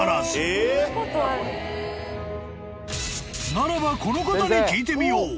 ［ならばこの方に聞いてみよう］